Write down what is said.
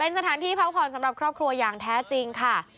สถานที่พักผ่อนสำหรับครอบครัวอย่างแท้จริงค่ะ